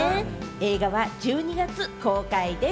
映画は１２月公開です。